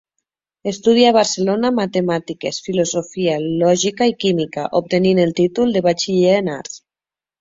Estudià a Barcelona Matemàtiques, Filosofia, Lògica i Química, obtenint el títol de batxiller en Arts.